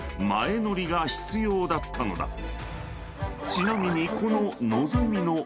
［ちなみにこの］